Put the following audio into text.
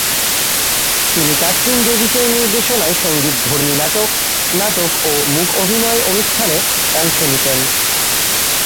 তিনি ক্যাথরিন ডেভিসের নির্দেশনায় সঙ্গীতধর্মী নাটক, নাটক, ও মূকাভিনয় অনুষ্ঠানে অংশ নিতেন।